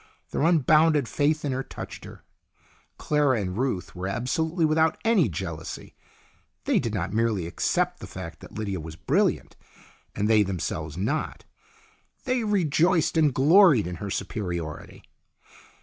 Their un bounded faith in her touched her. Clara and Ruth were absolutely without any jealousy. They did not merely accept the fact that Lydia was brilliant, and they themselves not. They rejoiced and gloried in her superiority.